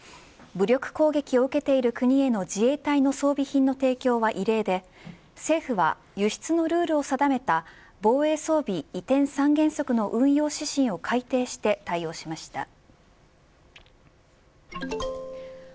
武力攻撃を受けている国への自衛隊の装備品の提供は異例で政府は輸出のルールを定めた防衛装備移転三原則の運用指針を改定して対応しました。